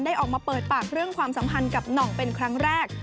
ออกมาเปิดปากเรื่องความสัมพันธ์กับหน่องเป็นครั้งแรก